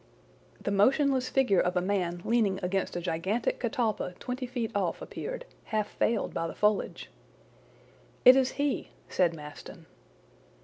The motionless figure of a man leaning against a gigantic catalpa twenty feet off appeared, half veiled by the foliage. "It is he!" said Maston.